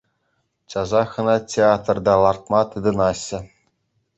Часах ӑна театрта лартма тытӑнаҫҫӗ.